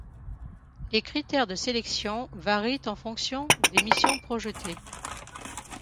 Les critères de sélection varient en fonction des missions projetées.